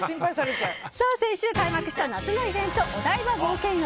先週開幕した夏のイベントお台場冒険王。